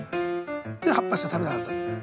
で葉っぱしか食べなかった。